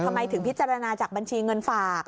ทำไมถึงพิจารณาจากบัญชีเงินฝาก